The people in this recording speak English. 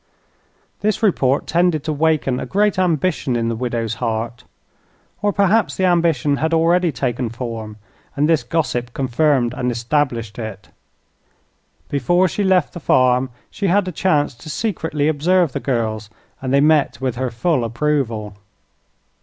This report tended to waken a great ambition in the widow's heart. Or perhaps the ambition had already taken form and this gossip confirmed and established it. Before she left the farm she had a chance to secretly observe the girls, and they met with her full approval.